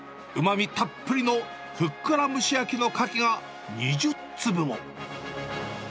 うまみたっぷりのふっくら蒸し焼きのカキが２０粒も。